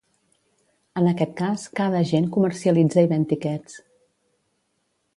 En aquest cas, cada agent comercialitza i ven tiquets.